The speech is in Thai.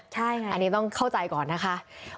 ใช่ค่ะอันนี้ต้องเข้าใจก่อนนะคะ